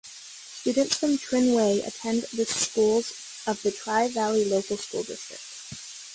Students from Trinway attend the schools of the Tri-Valley Local School District.